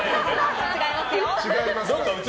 違いますよ。